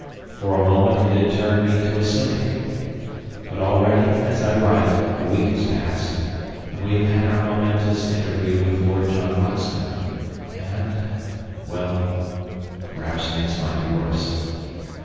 For a moment it had turned me to a cynic. But already, as I write, a week has passed, and we have had our momentous interview with Lord John Roxton and well, perhaps things might be worse.